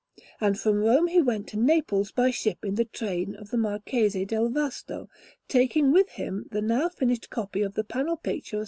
And from Rome he went to Naples by ship in the train of the Marchese del Vasto, taking with him the now finished copy of the panel picture of S.